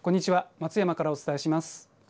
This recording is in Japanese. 松山からお伝えします。